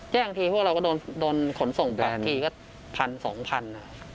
บางทีพวกเราก็โดนขนส่งแบกทีก็พันสองพัน